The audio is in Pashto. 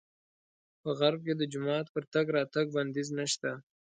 په غرب کې د جومات پر تګ راتګ بندیز نه شته.